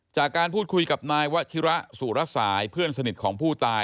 จากการพูดคุยกับนายวชิระสุรสายเพื่อนสนิทของผู้ตาย